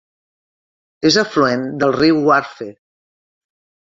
És afluent del riu Wharfe.